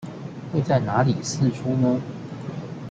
是會在哪裡釋出呢?